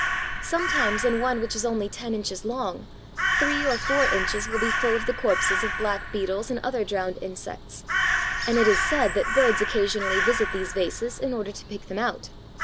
Sometimes in one which is only ten inches long, three or four inches will be full of the corpses of blackbeetles and other drowned insects, and it is said that birds occasionally visit these vases in order to pick them out.